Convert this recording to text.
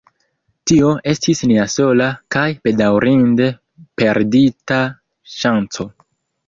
Tio estis nia sola kaj bedaŭrinde perdita ŝanco.